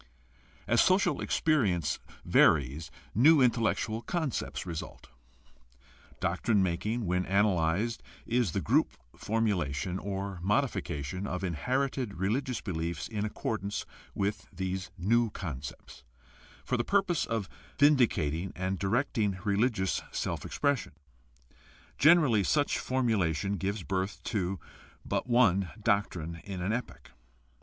As social experience varies new intellectual con cepts result. Doctrine making, when analyzed, is the group formulation or modification of inherited religious beliefs in accordance with these new concepts, for the purpose of vin dicating and directing religious self expression. Generally such formulation gives birth to but one doctrine in an epoch.